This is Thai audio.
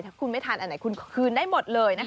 ถ้าคุณไม่ทานอันไหนคุณคืนได้หมดเลยนะคะ